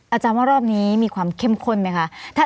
อาจารย์ว่ารอบนี้มีความเข้มข้นไหมคะ